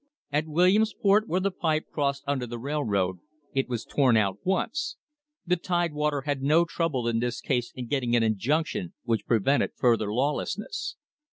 At Williamsport, where the pipe crossed under the railroad, it was torn out once. The Tide water had no trouble in this case in getting an injunction which prevented further lawlessness.